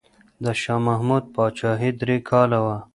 د شاه محمود پاچاهي درې کاله وه.